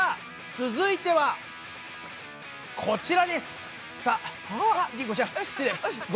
続いてはこちら！